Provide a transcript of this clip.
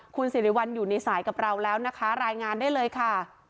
คุณสิริวัลอยู่ในสายกับเราแล้วนะคะรายงานได้เลยค่ะ